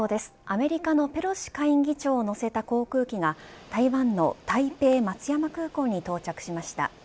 アメリカのペロシ下院議長を乗せた航空機が台湾の台北松山空港に到着しました。